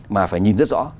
mà phải nhìn rất rõ